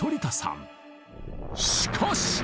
しかし！